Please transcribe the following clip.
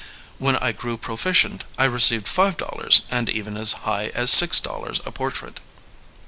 When I grew proficient I received five dollars and even as high as six dollars a portrait.